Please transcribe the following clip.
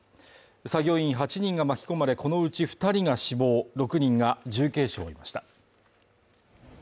作業員８人が巻き込まれこのうち２人が死亡、６人が重軽傷を負いました。